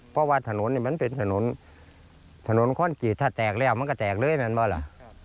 เพราะว่าถนนเนี่ยมันเป็นถนนถนนข้อนกรีตถ้าแตกแล้วมันก็แตกเลยนั่นป่ะล่ะ